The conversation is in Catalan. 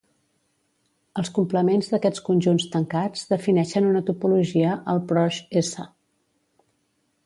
Els complements d'aquests conjunts tancats defineixen una topologia al Proj "S".